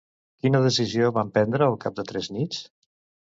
Quina decisió van prendre al cap de tres nits?